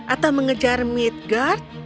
atau mengejar midgard